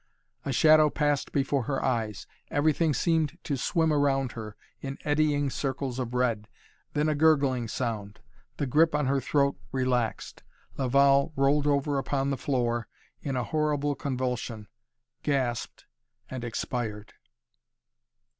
A shadow passed before her eyes. Everything seemed to swim around her in eddying circles of red. Then a gurgling sound. The grip on her throat relaxed. Laval rolled over upon the floor in a horrible convulsion, gasped and expired.